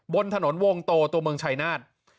บนถนนวงโตตัวเมืองชายนาฏ